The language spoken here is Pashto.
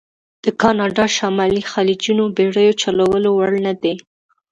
د کانادا شمالي خلیجونه بېړیو چلولو وړ نه دي.